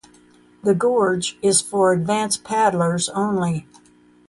The gorge is for advanced paddlers only.